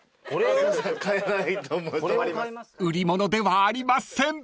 ［売り物ではありません！］